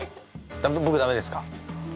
ぼくダメですか？